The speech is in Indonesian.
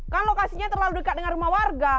kalau lokasinya terlalu dekat dengan rumah warga